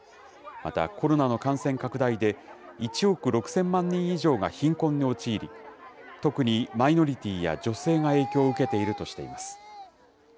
また、コロナの感染拡大で、１億６０００万人以上が貧困に陥り、特にマイノリティーや女性が影響を受けているとしています。